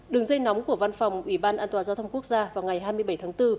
đường dây nóng của văn phòng ủy ban an toàn giao thông quốc gia vào ngày hai mươi bảy tháng bốn